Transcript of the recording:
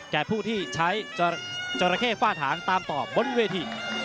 ผู้ที่ใช้จราเข้ฝ้าถางตามต่อบนเวที